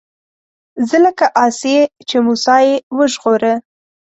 زه لکه آسيې چې موسی يې وژغوره